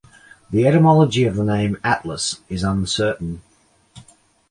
The etymology of the name "Atlas" is uncertain.